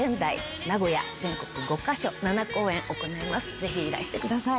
ぜひいらしてください。